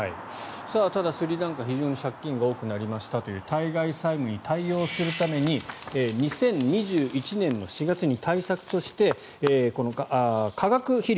ただ、スリランカ非常に借金が多くなりましたということで対外債務に対応するために２０２１年の４月に対策として、化学肥料